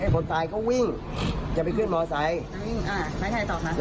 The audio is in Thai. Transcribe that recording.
คนตายก็วิ่งจะไปขึ้นมอไซด์